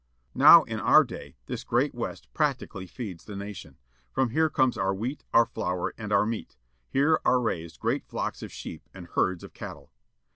^ Now, in our day, this great West practically feeds the nation. From here comes our wheat â our flour â and our meat. Here are raised great flocks of sheep, and herds of cattle.